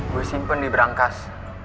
gue simpen di berangkas